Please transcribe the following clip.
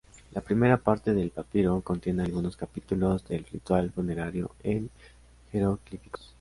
La primera parte del papiro contiene algunos capítulos del ritual funerario en jeroglíficos.